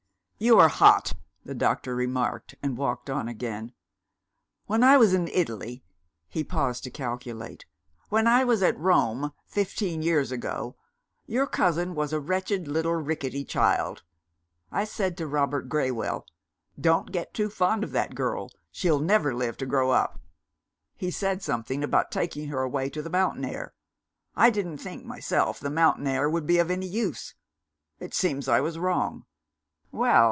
"You are hot," the doctor remarked, and walked on again. "When I was in Italy " he paused to calculate, "when I was at Rome, fifteen years ago, your cousin was a wretched little rickety child. I said to Robert Graywell, 'Don't get too fond of that girl; she'll never live to grow up.' He said something about taking her away to the mountain air. I didn't think, myself, the mountain air would be of any use. It seems I was wrong. Well!